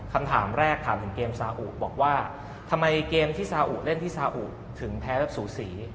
คำถามแรกถามถึงเกมซาอุบอกว่าทำไมเกมที่ซาอุเล่นที่ซาอุถึงแพ้แบบสูสี